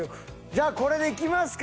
じゃあこれでいきますか。